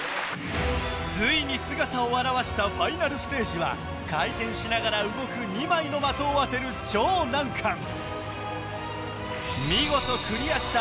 ついに姿を現したファイナルステージは回転しながら動く２枚の的を当てる超難関